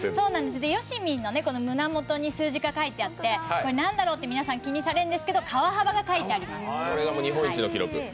よしみんの胸元に数字が書いてあって何だろうって皆さん、気にされるんですけど川幅が書いてあります。